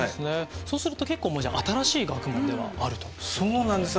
そうすると結構じゃあ新しい学問ではあるということなんですか？